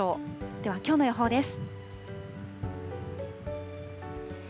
ではきょうの予報です。